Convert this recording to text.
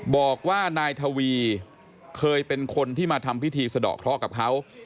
บอกว่านายทวีเคยเป็นคนที่มาทำพิธีสะดอกเคราะห์กับเขา